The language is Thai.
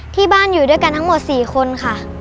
ที่บ้านอยู่ด้วยกันทั้งหมด๔คนค่ะ